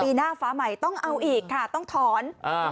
หน้าฟ้าใหม่ต้องเอาอีกค่ะต้องถอน